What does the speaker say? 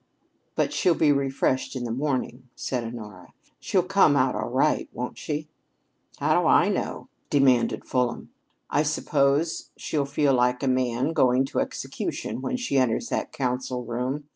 "But she'll be refreshed in the morning," said Honora. "She'll come out all right, won't she?" "How do I know?" demanded Fulham. "I suppose she'll feel like a man going to execution when she enters that council room.